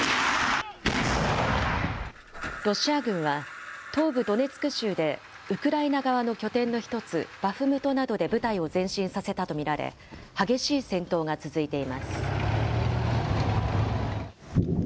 ロシア軍は東部ドネツク州でウクライナ側の拠点の１つ、バフムトなどで部隊を前進させたと見られ、激しい戦闘が続いています。